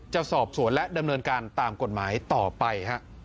จะสอบสวนและดำเนินการตามกฎหมายต่อไป